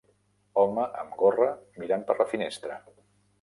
home amb gorra mirant per la finestra